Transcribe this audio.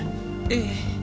ええ。